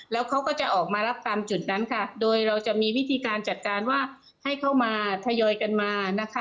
แล้วเขาก็จะออกมารับตามจุดนั้นค่ะโดยเราจะมีวิธีการจัดการว่าให้เข้ามาทยอยกันมานะคะ